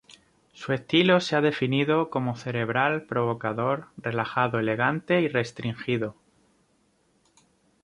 Su estilo se ha definido como "cerebral, provocador, relajado, elegante y restringido".